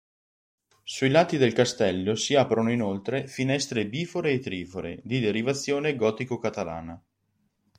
Sui lati del castello si aprono inoltre finestre bifore e trifore di derivazione gotico-catalana.